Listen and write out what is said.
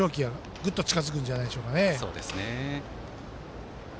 グッと近づくんじゃないでしょうか。